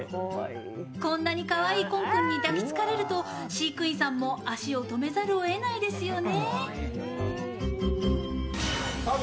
こんなにかわいいコン君に抱きつかれると飼育員さんも足を止めざるをえないですよね。